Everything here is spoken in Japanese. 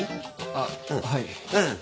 あっはい。